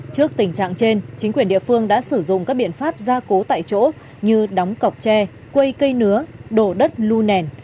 trước tình trạng trên chính quyền địa phương đã sử dụng các biện pháp gia cố tại chỗ như đóng cọc tre quây cây nứa đổ đất lưu nền